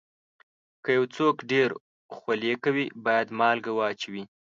که یو څوک ډېر خولې کوي، باید مالګه واچوي.